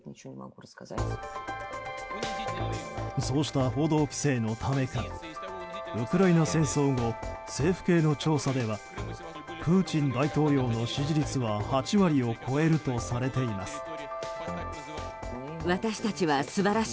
そうした報道規制のためかウクライナ戦争後政府系の調査ではプーチン大統領の支持率は８割を超えるとされています。